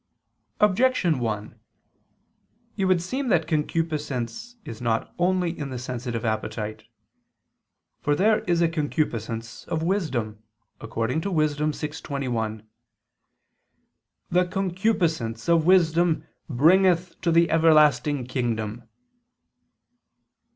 Objection 1: It would seem that concupiscence is not only in the sensitive appetite. For there is a concupiscence of wisdom, according to Wis. 6:21: "The concupiscence [Douay: 'desire'] of wisdom bringeth to the everlasting kingdom."